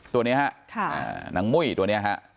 ตัวนี้นางมุ้ยตัวนี้